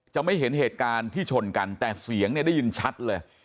ไม่เห็นเหตุการณ์ที่ชนกันแต่เสียงเนี่ยได้ยินชัดเลย